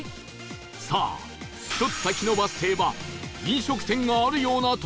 さあ１つ先のバス停は飲食店があるような所なのか？